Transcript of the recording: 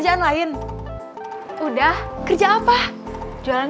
yang lain nggak aksen jahat